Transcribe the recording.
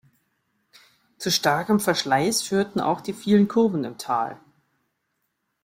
Zu starkem Verschleiß führten auch die vielen Kurven im Tal.